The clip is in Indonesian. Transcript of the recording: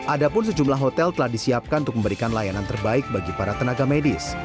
ada pun sejumlah hotel telah disiapkan untuk memberikan layanan terbaik bagi para tenaga medis